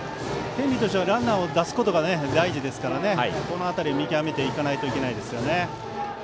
天理としてはランナーを出すことが大事なのでこの辺り見極めていかないといけないですね。